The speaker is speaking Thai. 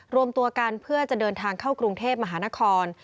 รวมตัวกันเพื่อจะเดินทางเข้ากรุงเทพมหานคร